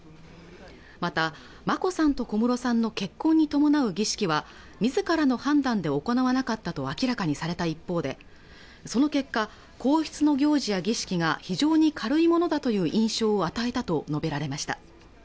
また眞子さんと小室さんの結婚に伴う儀式は自らの判断で行わなかったと明らかにされた一方でその結果皇室の行事や儀式が非常に軽いものだという印象を与えたと述べられました